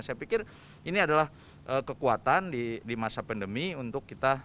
saya pikir ini adalah kekuatan di masa pandemi untuk kita